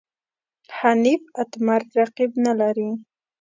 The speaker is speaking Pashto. حنیف اتمر رقیب نه لري.